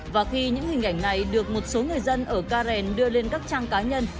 và khi những hình ảnh này được một số người dân ở ca rèn đưa lên các trang cá